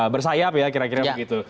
bersayap ya kira kira begitu